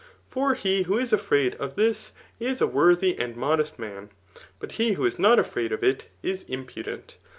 'fW he" who is aftsdd cii this, is a worthy and modest man^ but he who b not of itis impudent.